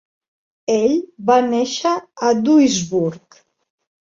Ell va néixer a Duisburg.